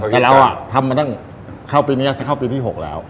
แต่เราทำมาตั้งเข้าปีนี้แล้วจะเข้าปีที่๖แล้ว